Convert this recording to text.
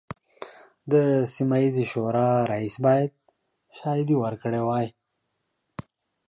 د سیمه ییزې شورا رئیس باید شاهدې ورکړي وای.